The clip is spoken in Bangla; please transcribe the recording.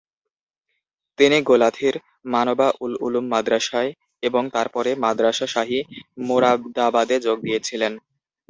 তিনি গোলাথির মানবা-উল-উলুম মাদ্রাসায় এবং তারপরে মাদরাসা শাহী, মোরাদাবাদে যোগ দিয়েছিলেন।